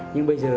nhưng bây giờ